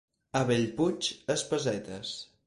A Bellpuig, espasetes.